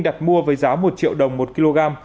đặt mua với giá một triệu đồng một kg